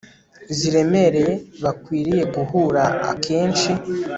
ziremereye bakwiriye guhura akenshi